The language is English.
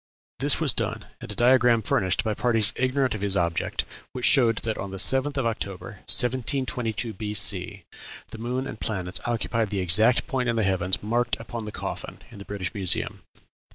This was done, and a diagram furnished by parties ignorant of his object, which showed that on the 7th of October, 1722 B.C. the moon and planets occupied the exact point in the heavens marked upon the coffin in the British Museum."